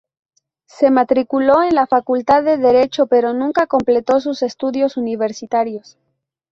Se matriculó en la Facultad de Derecho, pero nunca completó sus estudios universitarios.